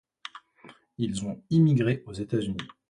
Ils ont immigré aux États-Unis.